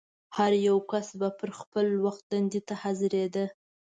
هر یو کس به پر خپل وخت دندې ته حاضرېده.